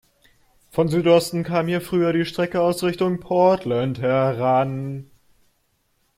Von Südosten kam hier früher die Strecke aus Richtung Portland heran.